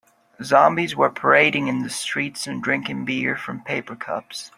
Zombies were parading in the streets and drinking beer from paper cups.